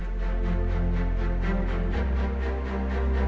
untuk meningkatkan taraf hidup para petani yang didirikan oleh kang din